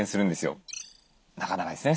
なかなかですね